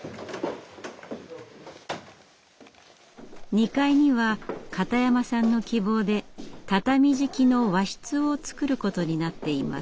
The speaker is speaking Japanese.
２階には片山さんの希望で畳敷きの和室を作ることになっています。